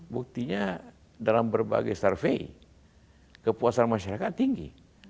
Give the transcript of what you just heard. buktinya dalam berbagai survei kepuasan masyarakat tinggi